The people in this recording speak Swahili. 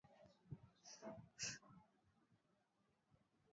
Rwanda inasisitizwa kwamba Jamhuri ya kidemokrasia ya Kongo na Rwanda